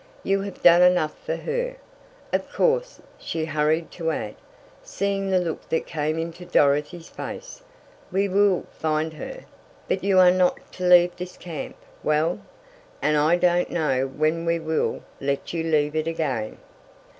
"You have done enough for her. Of course," she hurried to add, seeing the look that came into Dorothy's face, "we will find her, but you are not to leave this camp well, I don't know when we will let you leave it again."